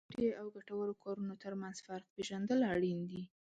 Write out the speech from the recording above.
بې ګټې او ګټورو کارونو ترمنځ فرق پېژندل اړین دي.